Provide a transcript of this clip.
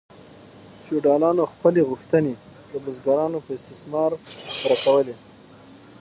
فیوډالانو خپلې غوښتنې د بزګرانو په استثمار پوره کولې.